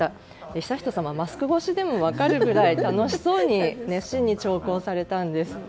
悠仁さまはマスク越しでも分かるくらい、楽しそうに熱心に聴講されたんです。